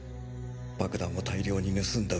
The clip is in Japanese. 爆弾を大量に盗んだ